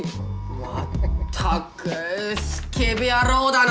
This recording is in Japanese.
まったくスケベ野郎だな！